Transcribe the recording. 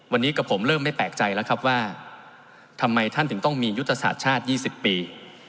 วันนี้กับผมเริ่มไม่แปลกใจแล้วครับว่าทำไมท่านถึงต้องมียุทธศาสตร์ชาติ๒๐ปี